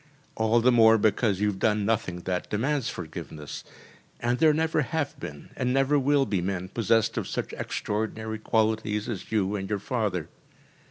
All the more because you have done nothing that demands forgiveness, and there never have been and never will be men possessed of such extraordinary qualities as you and your father.